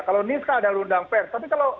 kalau news kan ada undang pers tapi kalau